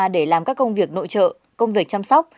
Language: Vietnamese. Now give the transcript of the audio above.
để làm các công việc nội trợ công việc chăm sóc